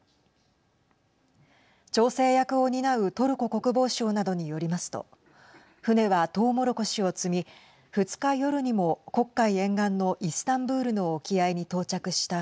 調整役を担うトルコ国防省などによりますと船はトウモロコシを積み２日夜にも黒海沿岸のイスタンブールの沖合に到着した